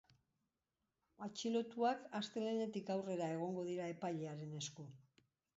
Atxilotuak astelehenetik aurrera egongo dira epailearen esku.